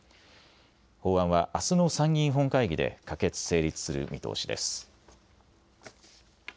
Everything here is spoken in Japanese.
法案は、あすの参議院本会議で可決・成立する見通しです。